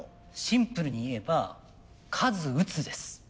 シンプルに言えば数打つです。